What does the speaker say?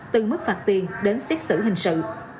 từ mức phạt tiền đến xét xử hình sự